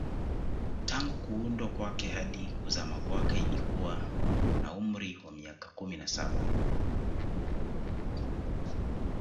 Tangu kuundwa kwake hadi kuzama kwake ilikuwa na umri wa miaka kumi na saba